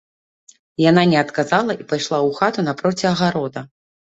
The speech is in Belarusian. Яна не адказала і пайшла ў хату напроці агарода.